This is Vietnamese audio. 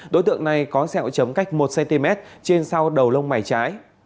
đối tượng này có xe hội chấm cách một cm trên sau đầu lông mày trái